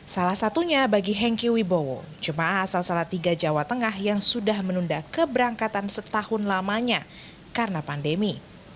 salah satunya bagi hengki wibowo jemaah asal salatiga jawa tengah yang sudah menunda keberangkatan setahun lamanya karena pandemi